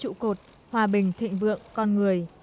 ba trụ cột hòa bình thịnh vượng con người